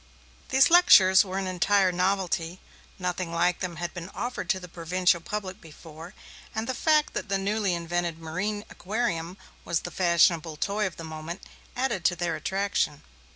These lectures were an entire novelty; nothing like them had been offered to the provincial public before; and the fact that the newly invented marine aquarium was the fashionable toy of the moment added to their attraction.